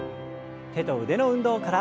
手と腕の運動から。